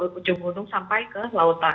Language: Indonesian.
ujung gunung sampai ke lautan